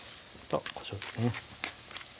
こしょうですね